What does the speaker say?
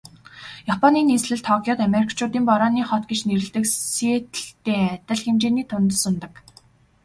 Японы нийслэл Токиод Америкчуудын Борооны хот гэж нэрлэдэг Сиэтллтэй адил хэмжээний тунадас унадаг.